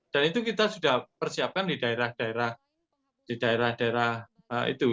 dan itu kita sudah persiapkan di daerah daerah itu